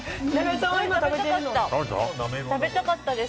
食べたかったです。